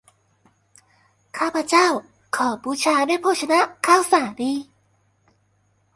ข้าพเจ้าขอบูชาด้วยโภชนะข้าวสาลี